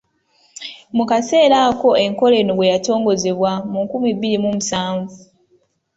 Mu kaseera ako enkola eno we yatongozebwa mu nkumi bbiri mu musanvu.